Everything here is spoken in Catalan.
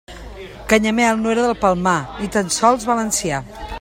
Canyamel no era del Palmar, ni tan sols valencià.